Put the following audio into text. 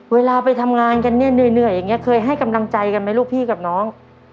เวลาไปทำงานกันเนี่ยเหนื่อยอย่างนี้เคยให้กำลังใจกันไหมลูกพี่กับน้อง